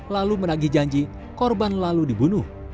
lalu menagih janji korban lalu dibunuh